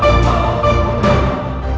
kamu juga tidak harus menjemput aku